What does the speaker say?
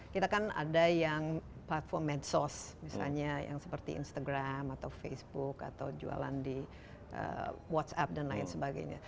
kita kan ada yang platform medsos misalnya yang seperti instagram atau facebook atau jualan di whatsapp dan lain sebagainya